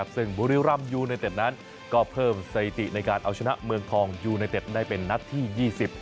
ซึ่งบุรีรำยูไนเต็ดนั้นก็เพิ่มสถิติในการเอาชนะเมืองทองยูไนเต็ดได้เป็นนัดที่ยี่สิบ